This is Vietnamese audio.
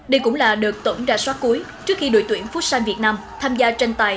đây cũng là đợt tổng ra soát cuối trước khi đội tuyển phút săn việt nam tham gia tranh tài